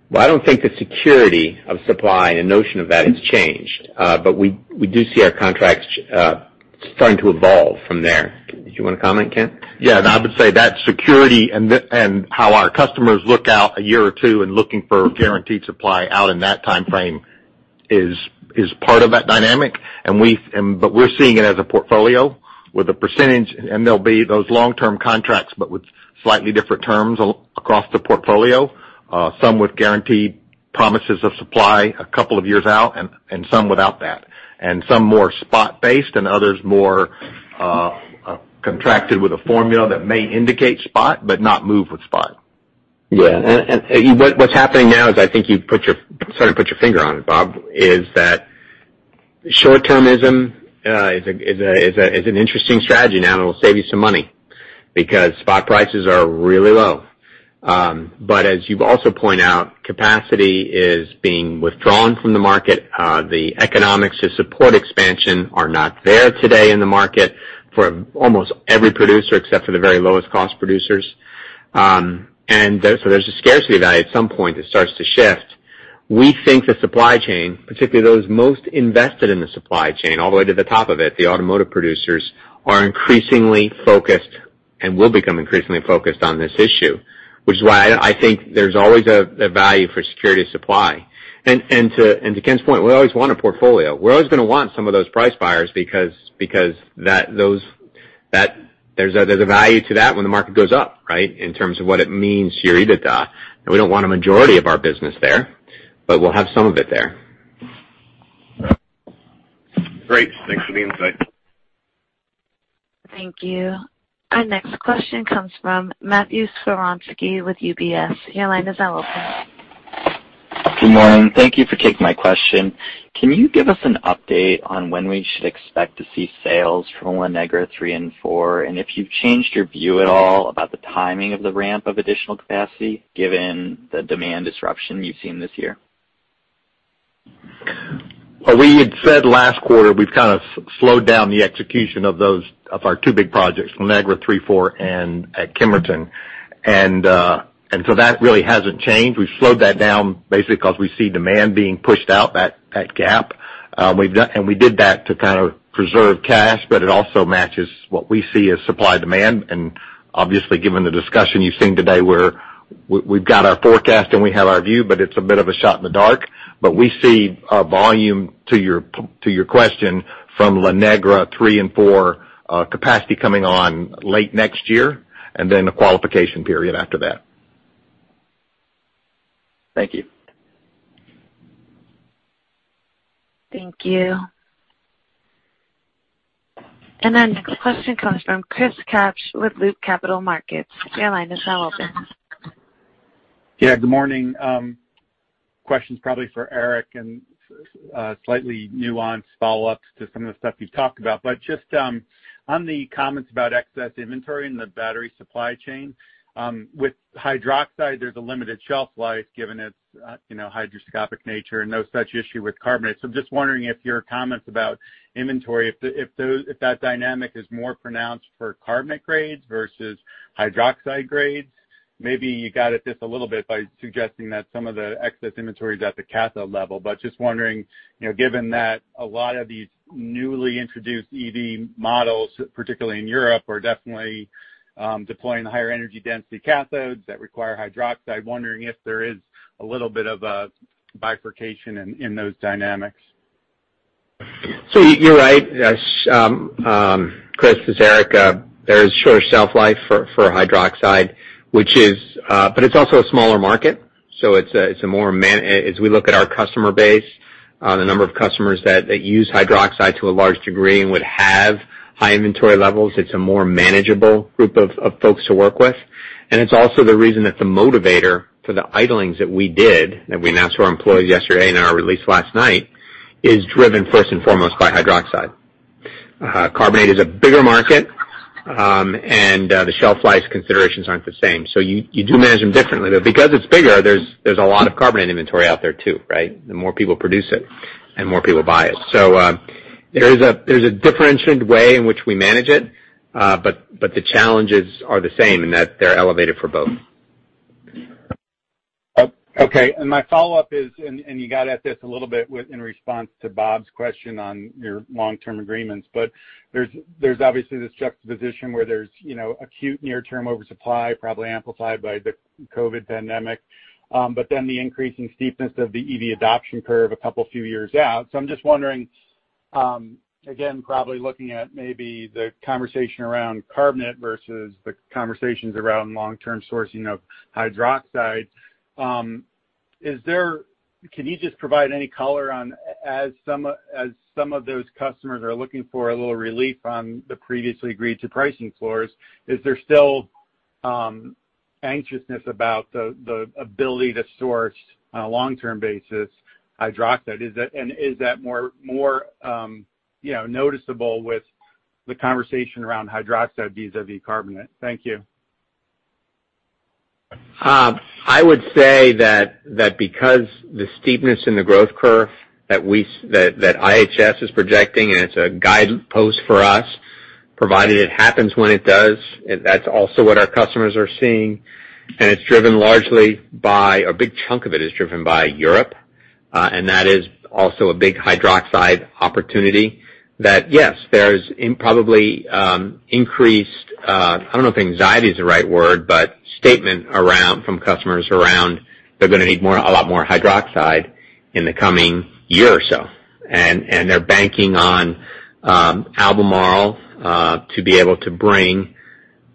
Well, I don't think the security of supply and notion of that has changed. We do see our contracts starting to evolve from there. Do you want to comment, Kent? I would say that security and how our customers look out a year or two and looking for guaranteed supply out in that timeframe is part of that dynamic. We're seeing it as a portfolio with a percentage, and there'll be those long-term contracts, but with slightly different terms across the portfolio. Some with guaranteed promises of supply a couple of years out and some without that. Some more spot based and others more contracted with a formula that may indicate spot but not move with spot. Yeah. What's happening now is, I think you sort of put your finger on it, Bob, is that short-termism is an interesting strategy now, and it'll save you some money because spot prices are really low. As you also point out, capacity is being withdrawn from the market. The economics to support expansion are not there today in the market for almost every producer, except for the very lowest cost producers. There's a scarcity value at some point that starts to shift. We think the supply chain, particularly those most invested in the supply chain, all the way to the top of it, the automotive producers, are increasingly focused and will become increasingly focused on this issue, which is why I think there's always a value for security of supply. To Kent's point, we always want a portfolio. We're always going to want some of those price buyers because there's a value to that when the market goes up, right, in terms of what it means to your EBITDA. We don't want a majority of our business there, but we'll have some of it there. Great. Thanks for the insight. Thank you. Our next question comes from Matthew Skowronski with UBS. Your line is now open. Good morning. Thank you for taking my question. Can you give us an update on when we should expect to see sales from La Negra III and IV, and if you've changed your view at all about the timing of the ramp of additional capacity, given the demand disruption you've seen this year? Well, we had said last quarter we've kind of slowed down the execution of our two big projects, La Negra III and IV, and at Kemerton. That really hasn't changed. We've slowed that down basically because we see demand being pushed out that gap. We did that to kind of preserve cash, but it also matches what we see as supply-demand. Obviously, given the discussion you've seen today, we've got our forecast, and we have our view, but it's a bit of a shot in the dark. We see volume, to your question, from La Negra III and IV capacity coming on late next year, and then a qualification period after that. Thank you. Thank you. Our next question comes from Chris Kapsch with Loop Capital Markets. Your line is now open. Yeah, good morning. Question's probably for Eric and slightly nuanced follow-ups to some of the stuff you've talked about. Just on the comments about excess inventory in the battery supply chain. With hydroxide, there's a limited shelf life given its hygroscopic nature and no such issue with carbonate. I'm just wondering if your comments about inventory, if that dynamic is more pronounced for carbonate grades versus hydroxide grades. Maybe you got at this a little bit by suggesting that some of the excess inventory is at the cathode level. Just wondering, given that a lot of these newly introduced EV models, particularly in Europe, are definitely deploying the higher energy density cathodes that require hydroxide, wondering if there is a little bit of a bifurcation in those dynamics. You're right. Chris, it's Eric. There is shorter shelf life for hydroxide, but it's also a smaller market. As we look at our customer base, the number of customers that use hydroxide to a large degree and would have high inventory levels, it's a more manageable group of folks to work with. It's also the reason that the motivator for the idlings that we did, that we announced to our employees yesterday in our release last night, is driven first and foremost by hydroxide. carbonate is a bigger market, and the shelf life considerations aren't the same. You do manage them differently, though, because it's bigger, there's a lot of carbonate inventory out there, too, right? The more people produce it, and more people buy it. There's a differentiated way in which we manage it. The challenges are the same in that they're elevated for both. Okay. My follow-up is, you got at this a little bit in response to Bob's question on your long-term agreements. There's obviously this juxtaposition where there's acute near-term oversupply, probably amplified by the COVID-19 pandemic. The increasing steepness of the EV adoption curve a couple few years out. I'm just wondering, again, probably looking at maybe the conversation around carbonate versus the conversations around long-term sourcing of hydroxide. Can you just provide any color on, as some of those customers are looking for a little relief on the previously agreed to pricing floors, is there still anxiousness about the ability to source, on a long-term basis, hydroxide? Is that more noticeable with the conversation around hydroxide vis-a-vis carbonate? Thank you. I would say that because the steepness in the growth curve that IHS is projecting, and it's a guidepost for us, provided it happens when it does, that's also what our customers are seeing. A big chunk of it is driven by Europe, and that is also a big hydroxide opportunity that, yes, there's probably increased, I don't know if anxiety is the right word, but statement from customers around they're going to need a lot more hydroxide in the coming year or so. They're banking on Albemarle to be able to bring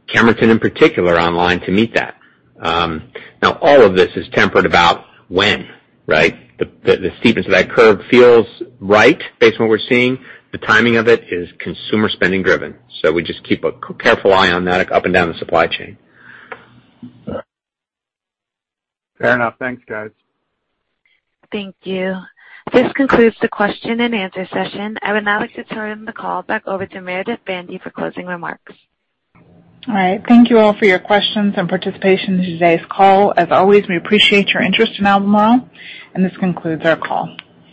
Kemerton, in particular, online to meet that. Now, all of this is tempered about when, right? The steepness of that curve feels right based on what we're seeing. The timing of it is consumer spending driven, we just keep a careful eye on that up and down the supply chain. Fair enough. Thanks, guys. Thank you. This concludes the question and answer session. I would now like to turn the call back over to Meredith Bandy for closing remarks. All right. Thank you all for your questions and participation in today's call. As always, we appreciate your interest in Albemarle, and this concludes our call.